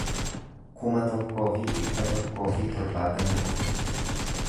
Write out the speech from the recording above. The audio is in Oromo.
kuma tokkoo fi dhibba tokkoo fi torbaatamii afur